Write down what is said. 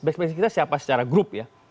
best practice kita siapa secara group ya